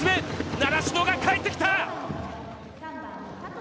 習志野が帰ってきた。